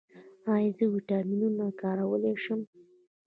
ایا زه ویټامینونه کارولی شم؟